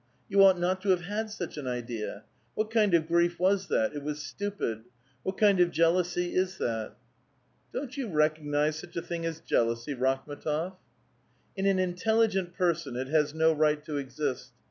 You ought not to have had such an idea. What kind of grief was that? It was stupid. What kind of jealousy is that?" ^^ Don't you recognize such a thing as jealousy, Rakhm^ tof?" ^^ In an intelligent person it has no right to exist.